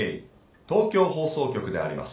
東京放送局であります。